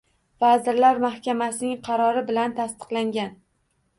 Vazirlar Mahkamasining qarori bilan tasdiqlangan